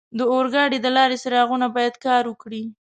د اورګاډي د لارې څراغونه باید کار وکړي.